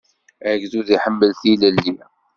Agdud iḥemmel tilelli.